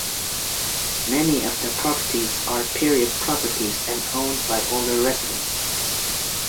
Many of the properties are period properties and owned by older residents.